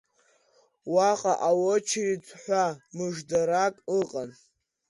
Уаҟа аочеред ҳәа мыждарак ыҟан.